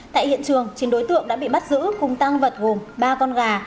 tại hiện trường chín đối tượng đã bị bắt giữ cùng tăng vật gồm ba con gà